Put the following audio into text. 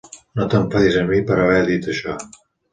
No t'enfadis amb mi per haver dit això.